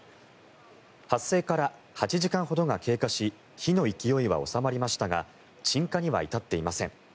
発生から８時間ほどが経過し火の勢いは収まりましたが鎮火には至っていません。